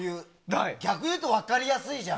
逆に言うと分かりやすいじゃん。